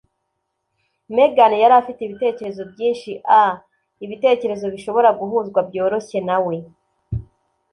Megan yari afite ibitekerezo byinshi â € “ibitekerezo bishobora guhuzwa byoroshye na we.